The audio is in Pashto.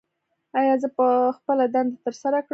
ایا زه به خپله دنده ترسره کړم؟